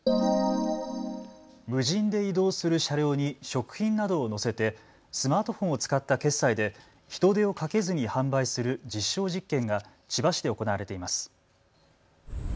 無人で移動する車両に食品などを載せてスマートフォンを使った決済で人手をかけずに販売する実証実験が千葉市で行われています。